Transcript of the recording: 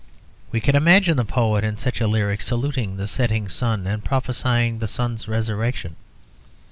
We can imagine the poet in such a lyric saluting the setting sun and prophesying the sun's resurrection.